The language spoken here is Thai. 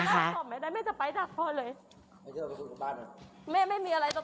ค่ะนะคะ